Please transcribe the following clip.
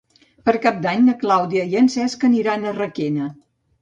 Per Cap d'Any na Clàudia i en Cesc aniran a Requena.